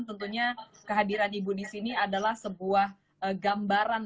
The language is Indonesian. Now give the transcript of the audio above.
tentunya kehadiran ibu disini adalah sebuah gambaran